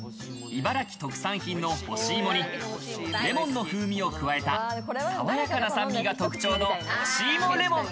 茨城特産品の干し芋にレモンの風味を加えた、さわやかな酸味が特徴の干し芋レモン。